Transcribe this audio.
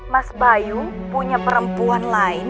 mas bayu punya perempuan lain